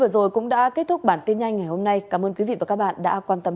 xin kính chào tạm biệt và hẹn gặp lại